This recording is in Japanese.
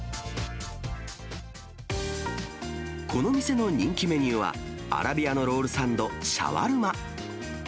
この店の人気メニューは、アラビアのロールサンド、シャワルマ。